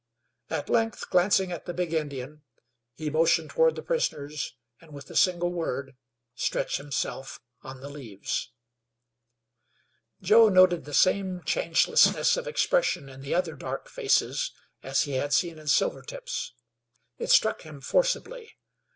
At length, glancing at the big Indian, he motioned toward the prisoners and with a single word stretched himself on the leaves. Joe noted the same changelessness of expression in the other dark faces as he had seen in Silvertip's. It struck him forcibly.